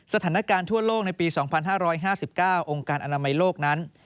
สถานการณ์ทั่วโลกในปี๒๕๕๙องค์การอนามัยโลกนั้น